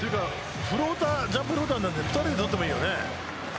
ジャンプフローターなので２人で取ってもいいよね。